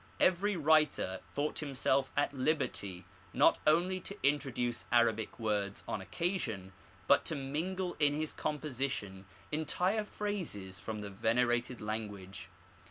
Every writer thought himself at liberty not only to introduce Arabic words on occasion, but to mingle in his com position entire phrases from the venerated language.